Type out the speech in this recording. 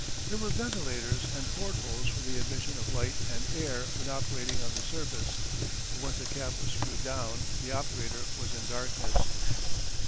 There were ventilators and portholes for the admission of light and air when operating on the surface, but once the cap was screwed down the operator was in darkness.